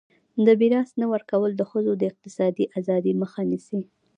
د میراث نه ورکول د ښځو د اقتصادي ازادۍ مخه نیسي.